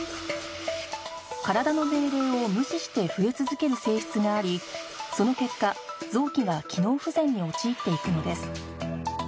体の命令を無視して増え続ける性質がありその結果臓器が機能不全に陥っていくのです